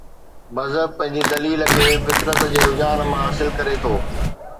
مذهب پنهنجي دليل کي فطرت جي رجحان مان حاصل ڪري ٿو.